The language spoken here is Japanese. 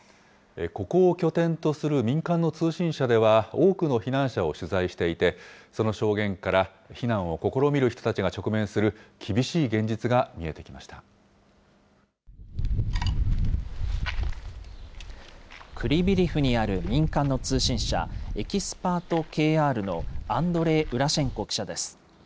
ここを拠点とする民間の通信社では、多くの避難者を取材していて、その証言から、避難を試みる人たちが直面する厳しい現実がクリビリフにある民間の通信社、ＥＸＰＥＲＴＫＲのアンドレイ・ウラシェンコ記者です。